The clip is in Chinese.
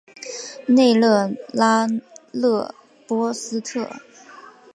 内勒拉勒波斯特。